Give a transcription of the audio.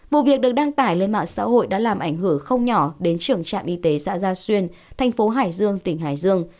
vụ việc được đăng tải lên mạng xã hội đã làm ảnh hưởng không nhỏ đến trường trạm y tế xã gia xuyên thành phố hải dương tỉnh hải dương